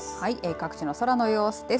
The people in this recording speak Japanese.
各地の空の様子です。